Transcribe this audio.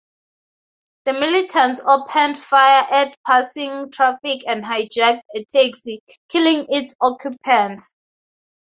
The militants opened fire at passing traffic and hijacked a taxi, killing its occupants.